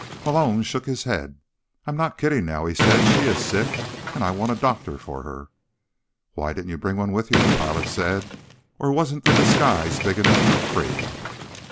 Malone shook his head. "I'm not kidding now," he said. "She is sick, and I want a doctor for her." "Why didn't you bring one with you?" the pilot said. "Or wasn't the disguise big enough for three?"